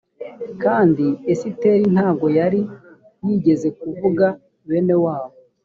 kandi esiteri ntabwo yari yigeze kuvuga bene wabo